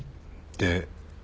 で。